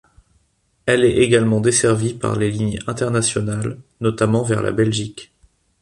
Elle est également desservie par les lignes internationales, notamment vers la Belgique.